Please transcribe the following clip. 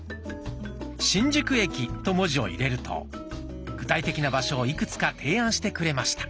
「新宿駅」と文字を入れると具体的な場所をいくつか提案してくれました。